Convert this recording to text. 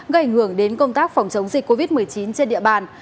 gây ảnh hưởng đến công tác phòng chống dịch covid một mươi chín trên địa bàn